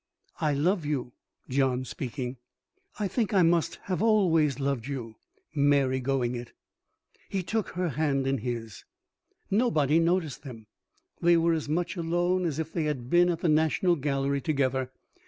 "I love you," (John speaking.) "I think I must have always loved you." (Mary going it.) He took her hand in his. Nobody noticed them. They were as much alone as if they had been at the National Gallery together.